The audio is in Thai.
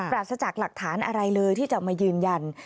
ปราศจากหลักฐานอะไรเลยที่จะมายืนยัน